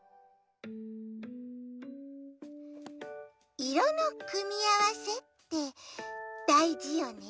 いろのくみあわせってだいじよね。